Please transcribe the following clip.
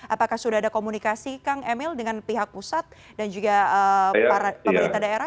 apakah sudah ada komunikasi kang emil dengan pihak pusat dan juga para pemerintah daerah